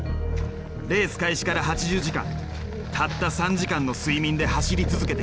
レース開始から８０時間たった３時間の睡眠で走り続けてきた。